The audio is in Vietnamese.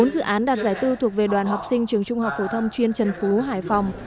bốn dự án đạt giải bốn thuộc về đoàn học sinh trường trung học phổ thông chuyên trần phú hải phòng